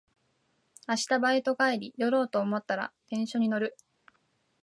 明日バイト帰り寄ろうと思ったら電車に乗る